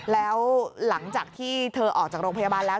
แล้วหลังจากที่เธอออกจากโรงพยาบาลแล้ว